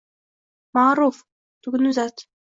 — Maʼruf, tugunni uzat!